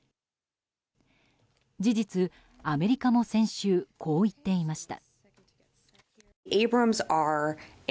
事実、アメリカも先週こう言っていました。